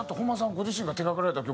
ご自身が手掛けられた曲